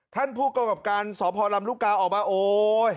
ท่านผู้กำกับการสพลำลูกกาออกมาโอ๊ย